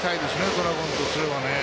ドラゴンズとすればね。